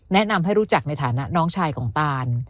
แนะนำให้รู้จักในฐานะน้องชายของตาน